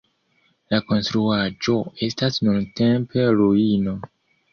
La konstruaĵo estas nuntempe ruino.